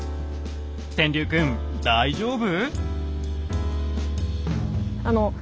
天龍くん大丈夫？